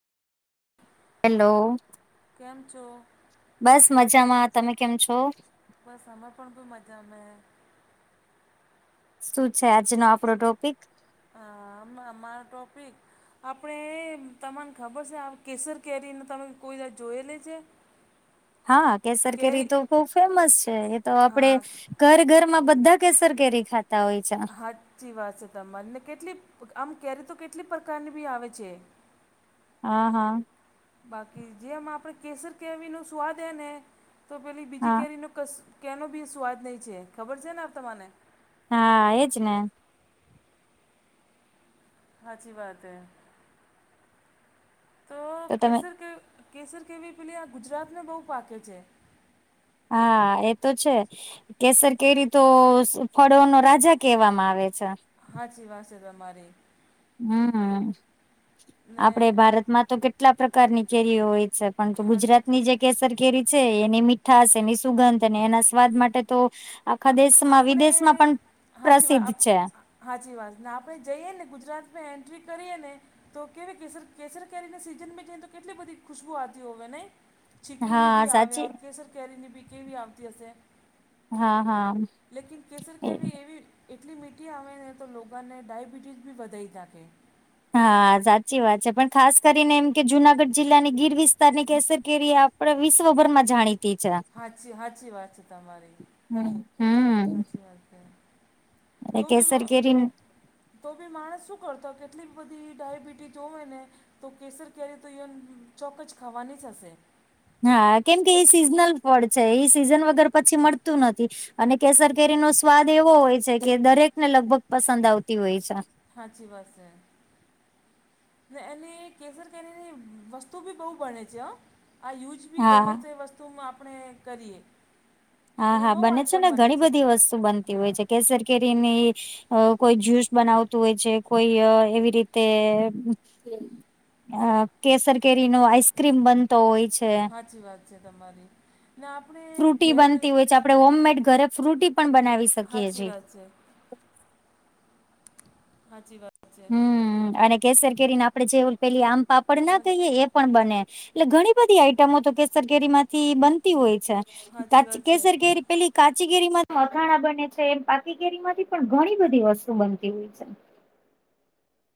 Hello. કેમ છો? બસ મજામાં. તમે કેમ છો? બસ અમેં પણ બી મજામાં. શું છે આજનો આપણો ટોપિક? હ આમાં મા ટોપિક આપણેએ તમાન ખબર છે. આ કેસર કેરીન તમે કોઈ વાર જોયેલી છે. [inaudible] હા કેસર કેરી તો બોવ ફેમસ છે એ તો આપડે હા ઘર ઘર માં બધા કેસર કેરી ખાતા હોય છે. હાચી વાત છે તમન કેટલી પ આમ કેરી તો કેટલી પ્રકારની બી આવે છે. હા હા. બાકી જેમ આ પણ કેસર કેરીનો સ્વાદ એને તો પેલી બીજી હા કેરીનું કશું કેનો બી સ્વાદ નહીં છે ખબર છે ને તમાને. હા એજ ને. હાચી વાત હૈ તો કેસર કે કેસર કેવી પેલી આ ગુજરાતને બહુ પાકે છે. હા એ તો છે. કેસર કેરી તો ફઢો નો રાજા કેહેવામાં આવે છે. હાચી વાત છે તમારી. હમ ને આપડે ભારતમાં કેટલા પ્રકારની કેરીઓ હોય છે. પણ તો હા ગુજરાત ની જે કેસર કેરી છે એની મીઠાશ એની સુગંધ અને એના સ્વાદ માટે તો આખા દેશમાં આપણે વિદેશમાં પણ હાચી પ્રસિદ્ધ વાત છે. હાચી વાત ને આપણે જઈએ ને ગુજરાતમાં એન્ટ્રી કરીએ ને તો કેવી કેસર કેસર કેરીને સીઝમાં જઈને તો કેટલી બધી ખુશ્બુ આતી હોવે નહીં. ચીકુની હા બી આવે સાચી ઓર કેસર કેરીની બી કેવી આવતી હશે. હા, હા. લેકિન કેસર એ કેવી એવી એટલી મીઠી આવે ને તો લોકોને ડાયબિટીઝ બી વધાઈ નાખે. હા સાચી વાત છે પણ ખાસ કરીને એમ કે જુનાગઢ જિલ્લાની ગીર વિસ્તારની કેસર કેરી આપ આપણે વિશ્વભરમાં જાણીતી છે હાચી હાચી વાત છે તમારી. હમ. હમ હાચી વાત છે તું ભી કેસર કેરી તો બી માણસ શું કરતો કેટલી બધી ડાયબિટીસ હોવે ને તો કેસર કેરી તો ચોક્ક જ ખાવાની જ હશે. હા કેમ કે એ સિઝનલ ફંડ છે એ સિઝન વગર પછી મળતું નથી અને કેસર કેરી નો સ્વાદ એવો હોય છે કે દરેક ને લગભગ પસંદ આવતી હોય છે. સાચી વાત છે. ને એને કેસર કેરીની વસ્તુ બી બહુ બણે છે, હ આ યુઝ [unintelligible] બી ગમે હા. તે વસ્તુ આપણે કરીએ હા એની હા બહુ બને છે આઈટમ ને ઘણી બધી વસ્તુ બનતી હા હોય છે કેસર કેરી ની અ કોઈ જ્યુસ બનાવતું હોય છે કોઈ એવી રીતે અ કેસર કેરી નો આઈસ્ક્રીમ બનતો હોય છે. સાચી વાત છે, તમારી આપણે ફ્રૂટી ઘેર બનતી હોય છે આપણે હોમમેડ ઘરે ફ્રૂટી પણ બનાવીશ હાચી વાત છે, હાચી વાત છે હમ અને કેસર કેરીને આપડે જેવ પેલી આમ પાપડ ના હા કહીએ એ પણ બને એટલે ઘણી બધી આઈટમો તો કેસર કેરી માંથી બનતી હોય છે. સાચી કાચી વાત છે કેસરી કેરી પેલી કાચી કેરી માં અથાણા બને છે એ પાકી કેરી માંથી પણ ઘણી બધી વસ્તુ બનતી હોય છે.